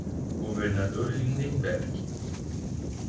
Governador Lindenberg